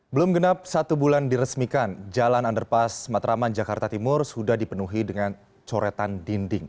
belum genap satu bulan diresmikan jalan underpass matraman jakarta timur sudah dipenuhi dengan coretan dinding